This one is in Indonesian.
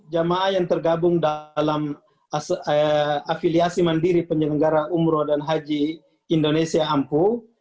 jamaah yang tergabung dalam afiliasi mandiri penyelenggara umroh dan haji indonesia ampuh